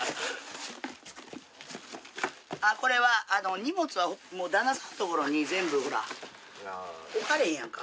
あっこれは荷物は旦那さんの所に全部ほら置かれへんやんか。